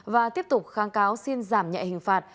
và tiếp tục kháng cáo xin giảm nhẹ hình phạt